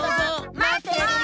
まってるよ！